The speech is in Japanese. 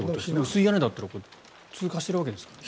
薄い屋根だったら通過してるわけですから。